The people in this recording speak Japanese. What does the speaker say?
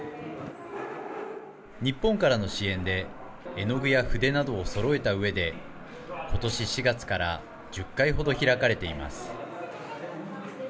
日本からの支援で絵の具や筆などをそろえたうえで、ことし４月から１０回ほど開かれています。